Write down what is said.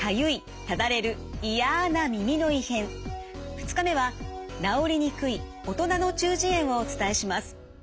２日目は「治りにくい“大人の中耳炎”」をお伝えします。